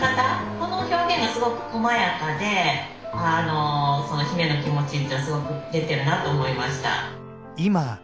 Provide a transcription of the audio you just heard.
この表現がすごくこまやかでその姫の気持ちってすごく出てるなと思いました。